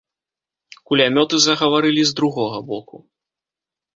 Кулямёты загаварылі з другога боку.